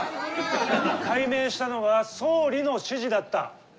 改名したのは総理の指示だった。